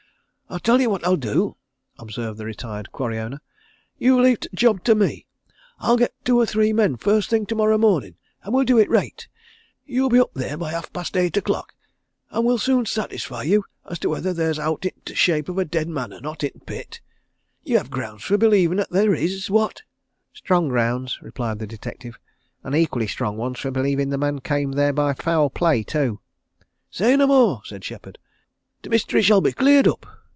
"I'll tell you what I'll do," observed the retired quarry owner. "You leave t' job to me. I'll get two or three men first thing tomorrow morning, and we'll do it reight. You be up there by half past eight o'clock, and we'll soon satisfy you as to whether there's owt i' t' shape of a dead man or not i' t' pit. You hev' grounds for believin' 'at theer is what?" "Strong grounds!" replied the detective, "and equally strong ones for believing the man came there by foul play, too." "Say no more!" said Shepherd. "T' mystery shall be cleared up.